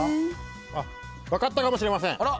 あっ分かったかもしれません。